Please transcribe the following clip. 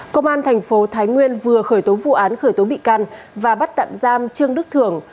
công an thành phố thái nguyên vừa khởi tố vụ án khởi tố bị can và bắt tạm giam trương đức thưởng